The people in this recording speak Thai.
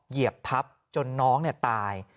เหยียบทับจนน้องตาย